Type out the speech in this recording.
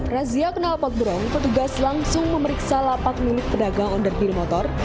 razia kenalpot berong petugas langsung memeriksa lapak milik pedagang on the hill motor